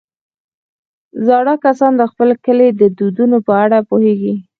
زاړه کسان د خپل کلي د دودونو په اړه پوهېږي